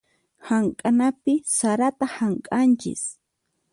Hamk'anapi sarata hamk'anchis.